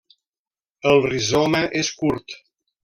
El rizoma és curt.